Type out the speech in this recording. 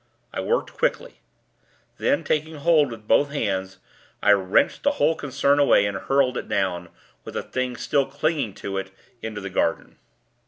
I worked quickly. Then, taking hold with both bands, I wrenched the whole concern away, and hurled it down with the Thing still clinging to it into the garden.